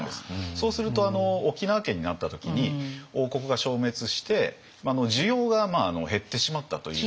そうすると沖縄県になった時に王国が消滅して需要が減ってしまったというのが。